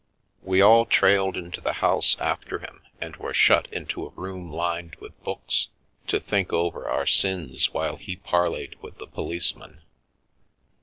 We all trailed into the house after him and were shut into a room lined with books to think over our sins while he parleyed with the policeman.